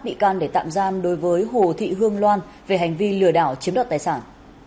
bị can để tạm giam đối với hồ thị hương loan về hành vi lừa đảo chiếm đoạt tài sản